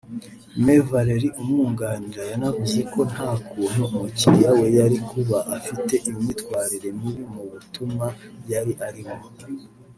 Me Valery umwunganira yanavuze ko nta kuntu umukiriya we yari kuba afite imyitwarire mibi mu butumwa yari arimo